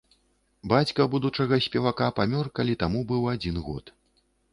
Бацька будучага спевака памёр, калі таму быў адзін год.